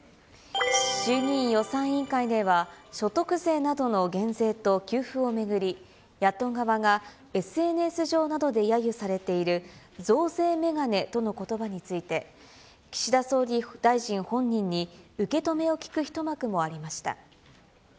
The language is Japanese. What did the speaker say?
衆議院予算委員会では、所得税などの減税と給付を巡り、野党側がＳＮＳ上などでやゆされている増税メガネとのことばについて、岸田総理大臣本人に受け止めを聞く一幕もありました。